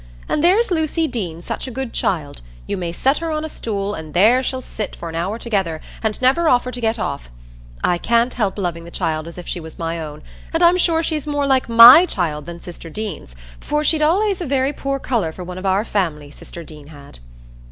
And there's Lucy Deane's such a good child,—you may set her on a stool, and there she'll sit for an hour together, and never offer to get off. I can't help loving the child as if she was my own; and I'm sure she's more like my child than sister Deane's, for she'd allays a very poor colour for one of our family, sister Deane had."